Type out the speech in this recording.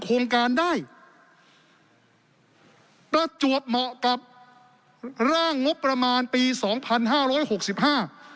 โครงการได้ประจวบเหมาะกับร่างงบประมาณปีสองพันห้าร้อยหกสิบห้า